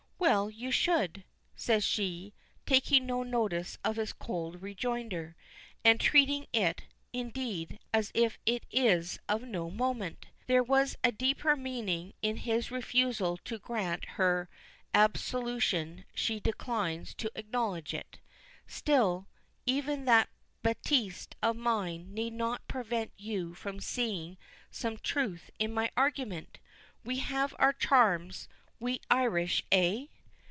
"Well, you should," says she, taking no notice of his cold rejoinder, and treating it, indeed, as if it is of no moment. If there was a deeper meaning in his refusal to grant her absolution she declines to acknowledge it. "Still, even that bêtise of mine need not prevent you from seeing some truth in my argument. We have our charms, we Irish, eh?"